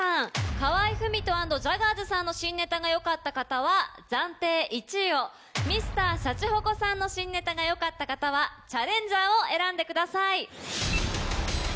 河合郁人＆ジャガーズさんの新ネタがよかった方は暫定１位をＭｒ．シャチホコさんの新ネタがよかった方はチャレンジャーを選んでください。